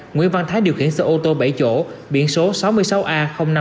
nguyễn văn thái điều khiển xe ô tô bảy chỗ biển số sáu mươi sáu a năm nghìn tám trăm tám mươi ba